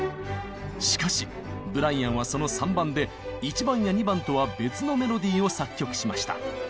しかしブライアンはその３番で１番や２番とは別のメロディーを作曲しました。